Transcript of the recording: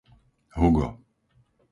Hugo